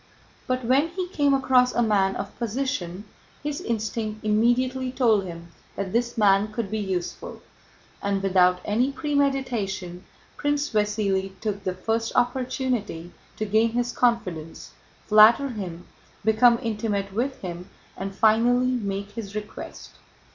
But when he came across a man of position his instinct immediately told him that this man could be useful, and without any premeditation Prince Vasíli took the first opportunity to gain his confidence, flatter him, become intimate with him, and finally make his request.